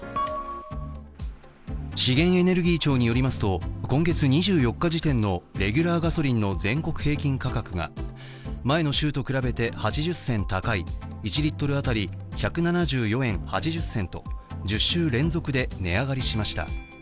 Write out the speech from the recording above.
資源エネルギー庁によりますと今月２４日時点のレギュラーガソリンの全国平均価格が前の週と比べて８０銭高い１リットル当たり１２７円８０銭と、１０週連続で値上がりしました。